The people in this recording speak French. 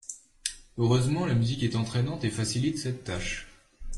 Heureusement la musique est entraînante et facilite cette tâche.